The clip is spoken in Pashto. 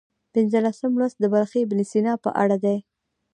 پنځلسم لوست د بلخي ابن سینا په اړه دی.